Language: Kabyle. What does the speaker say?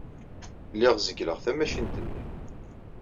Lliɣ zeggleɣ tamacint-nni.